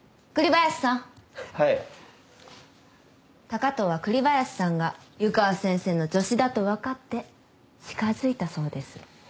高藤は栗林さんが湯川先生の助手だと分かって近づいたそうです。